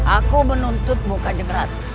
aku menuntutmu kanjeng ratu